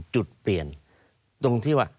จุดเปลี่ยนตรงที่ว่า